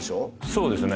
そうですね